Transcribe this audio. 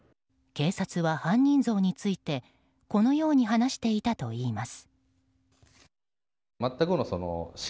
警察は犯人像についてこのように話していたといいます。